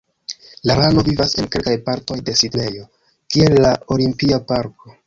La rano vivas en kelkaj partoj de Sidnejo, kiel la olimpia parko.